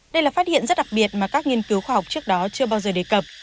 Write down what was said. đây là phát hiện rất đặc biệt mà các nghiên cứu khoa học trước đó chưa bao giờ đề cập